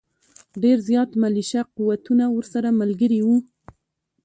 ډېر زیات ملېشه قوتونه ورسره ملګري وو.